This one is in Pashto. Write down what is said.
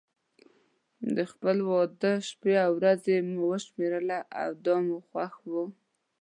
د خپل واده شپې او ورځې مو شمېرله او دا مو خوښ و.